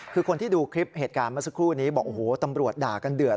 คือคนที่ดูคลิปเหตุการณ์เมื่อสักครู่นี้บอกโอ้โหตำรวจด่ากันเดือด